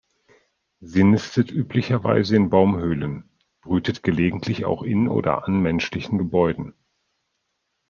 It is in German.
Sie nistet üblicherweise in Baumhöhlen, brütet gelegentlich auch in oder an menschlichen Gebäuden.